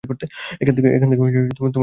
এখান থেকে তোমায় বের করতে হবে!